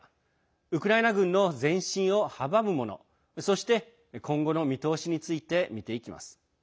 ウクライナ軍の前進を阻むものそして、今後の見通しについて見ていきます。